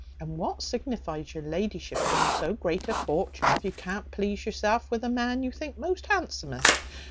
And what signifies your la'ship having so great a fortune, if you can't please yourself with the man you think most handsomest?